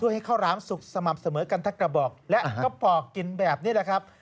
ให้ข้าวหลามสุกสม่ำเสมอกันทั้งกระบอกและกระปอกกินแบบนี้แหละครับ